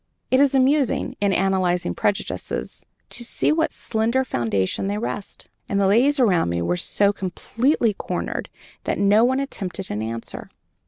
It is amusing, in analyzing prejudices, to see on what slender foundation they rest." And the ladies around me were so completely cornered that no one attempted an answer.